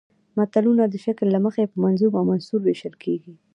متلونه د شکل له مخې په منظوم او منثور ویشل کېږي